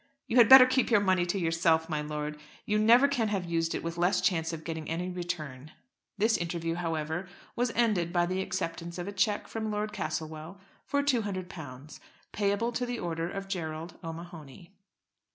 "You had better keep your money to yourself, my lord. You never can have used it with less chance of getting any return." This interview, however, was ended by the acceptance of a cheque from Lord Castlewell for £200, payable to the order of Gerald O'Mahony.